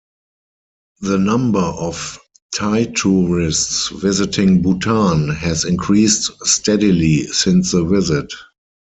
The number of Thai tourists visiting Bhutan has increased steadily since the visit.